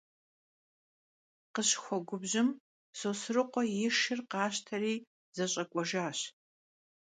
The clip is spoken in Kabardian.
Khışıxuegubjım, Sosrıkhue yi şşır khaşteri zeş'ek'uejjaş.